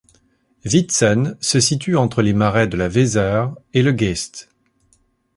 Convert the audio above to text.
Wietzen se situe entre les marais de la Weser et le Geest.